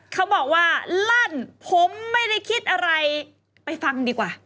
เขาบอกว่าลั่นผมไม่ได้คิดอะไรไปฟังดีกว่า